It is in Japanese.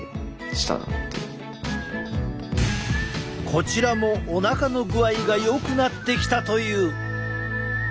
こちらもおなかの具合がよくなってきたという！